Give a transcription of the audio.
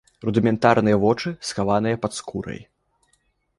Рудыментарныя вочы схаваныя пад скурай.